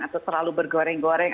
atau terlalu bergoreng goreng